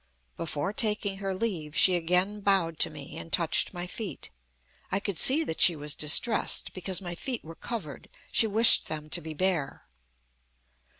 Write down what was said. Before taking her leave, she again bowed to me, and touched my feet. I could see that she was distressed, because my feet were covered. She wished them to be bare.